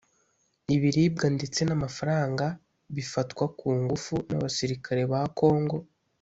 ibiribwa ndetse n’amafaranga bifatwa ku ngufu n’abasirikare ba Kongo